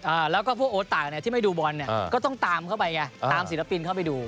อ่าแล้วก็พวกโอ๊ตต่างเนี้ยที่ไม่ดูบอลเนี่ยก็ต้องตามเข้าไปไงตามศิลปินเข้าไปดู